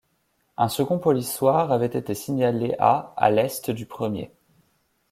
Un second polissoir avait été signalé à à l'est du premier.